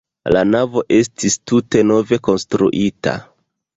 La navo estis tute nove konstruita.